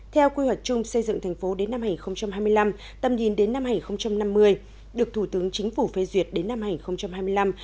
theo quy hoạch chung xây dựng thành phố đến năm hai nghìn hai mươi năm tầm nhìn đến năm hai nghìn năm mươi được thủ tướng chính phủ phê duyệt đến năm hai nghìn hai mươi năm